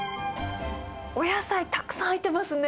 お野菜たくさん入ってますね。